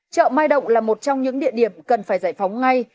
chợ mai động là một trong những địa điểm cần phải giải phóng ngay